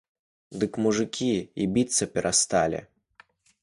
Дык мужыкі і біцца перасталі!